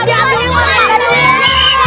jadi kita berdua